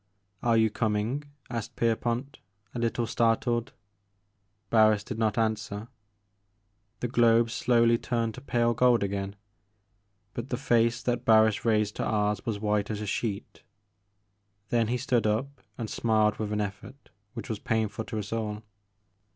"Are you coming," asked Pierpont, a little startled. Barris did not answer. The globe slowly turned to pale gold again, — ^but the face that Barris raised to ours was white as a gheet. Then he stood up, and smiled with an e£fort which was painful to us all.